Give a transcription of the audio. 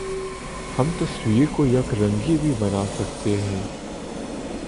ہم تصویر کو یک رنگی بھی بنا سکتے ہی